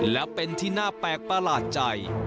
และเป็นที่น่าแปลกประหลาดใจ